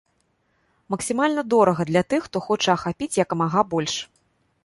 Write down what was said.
Максімальна дорага для тых, хто хоча ахапіць як мага больш.